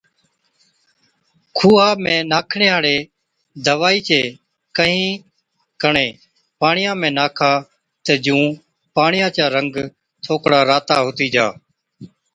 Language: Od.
کُوها ۾ ناکڻي هاڙِي دوائِي چي ڪهِين ڪڻي پاڻِيان ۾ ناکا تہ جُون پاڻِيان چا رنگ ٿوڪڙا راتا هُتِي جا